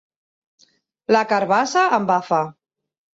La carabassa embafa.